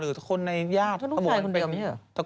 พี่หรือน้อง